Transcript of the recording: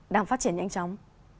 đang phát triển nhanh chóng